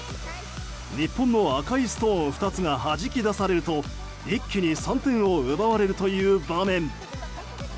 日本の赤いストーン２つがはじき出されると一気に３点を奪われるという場面。